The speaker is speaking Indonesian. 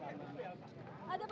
terima kasih pak